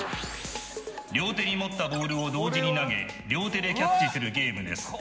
両手に持ったボールを同時に投げ両手でキャッチするゲームです。